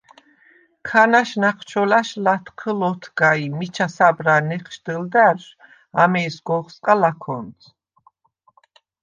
ქანა̈შ ნა̈ჴჩოლა̈შ ლათჴჷლ ოთგა ი მიჩა საბრალ ნეჴშდჷლდა̈რშვ ამეჲსგ’ ოხსყა ლაქონც.